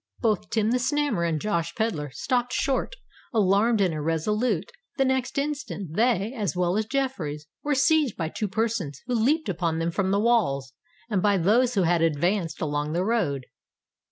Both Tim the Snammer and Josh Pedler stopped short, alarmed and irresolute: the next instant they, as well as Jeffreys, were seized by two persons who leaped upon them from the walls, and by those who had advanced along the road.